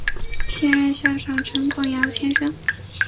现任校长为陈广尧先生。